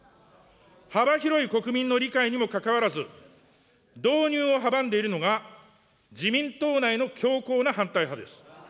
幅広い国民の理解にもかかわらず、導入を阻んでいるのが自民党内の強硬な反対派です。